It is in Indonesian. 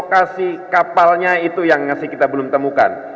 tidak ada itu hanya titik lokasi kapalnya itu yang masih kita belum temukan